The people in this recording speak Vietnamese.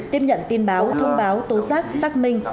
tiếp nhận tin báo thông báo tố giác xác minh